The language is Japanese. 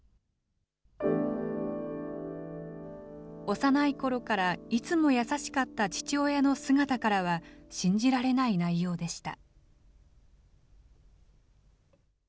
幼いころからいつも優しかった父親の姿からは、信じられない内容でした。